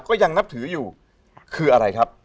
ก็ยังนับถืออยู่คืออะไรครับ